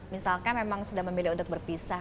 misalkan memang sudah memilih untuk berpisah